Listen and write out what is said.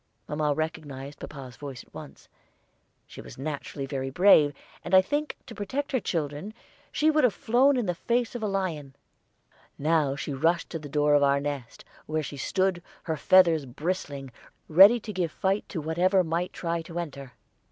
Mamma recognized papa's voice at once. She was naturally very brave, and I think, to protect her children, she would have flown in the face of a lion. She now rushed to the door of our nest, where she stood, her feathers bristling, ready to give fight to whatever might try to enter.